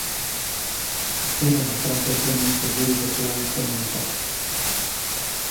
Era unha trampa ese anuncio del do plan Como na casa.